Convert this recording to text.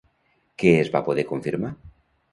Què es va poder confirmar?